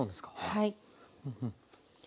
はい。